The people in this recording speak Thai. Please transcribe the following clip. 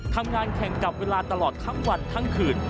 ทำงานแข่งกับเวลาตลอดทั้งวันทั้งคืน